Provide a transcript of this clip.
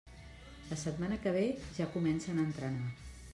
La setmana que ve ja comencen a entrenar.